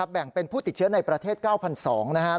แบ่งเป็นผู้ติดเชื้อในประเทศ๙๒๐๐นะครับ